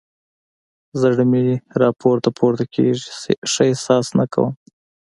زړه مې راپورته پورته کېږي؛ ښه احساس نه کوم.